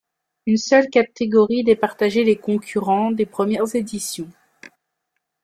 Une seule catégorie départageait les concurrents des premières éditions.